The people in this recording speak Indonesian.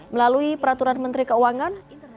melalui peraturan menteri keuangan